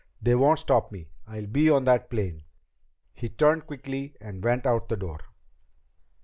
"They won't stop me! I'll be on that plane." He turned quickly and went out the door.